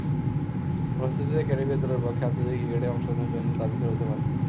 ফলশ্রুতিতে, ক্যারিবীয় দলের পক্ষে আন্তর্জাতিক ক্রিকেটে অংশগ্রহণের জন্যে দাবীদার হতে পারেননি।